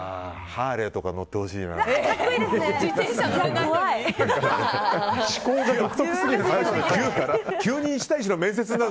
ハーレーとか乗ってほしいな。